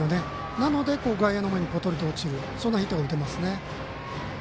なので外野の前にポトリと落ちるそんなヒットが打てますよね。